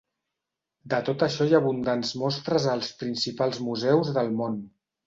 De tot això hi ha abundants mostres als principals museus del món.